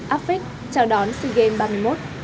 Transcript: affix chào đón sea game ba mươi một